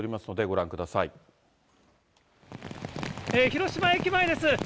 広島駅前です。